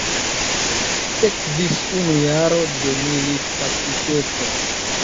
Sekvis unu jaro de militkaptiteco.